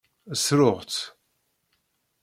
Ssruɣ-t.